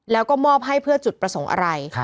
แล้วก็มอบให้เพื่อจุดประสงค์อะไร